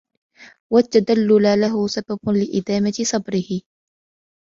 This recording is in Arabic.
وَالتَّذَلُّلَ لَهُ سَبَبٌ لِإِدَامَةِ صَبْرِهِ